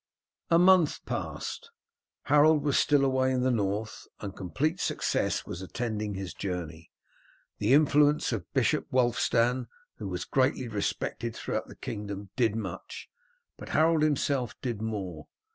A month passed. Harold was still away in the North, and complete success was attending his journey. The influence of Bishop Wulfstan, who was greatly respected throughout the kingdom, did much, but Harold himself did more.